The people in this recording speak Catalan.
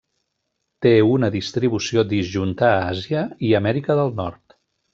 Té una distribució disjunta a Àsia i Amèrica del Nord.